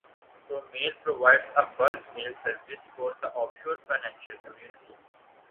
Promail provides a bulk mail service for the offshore financial community.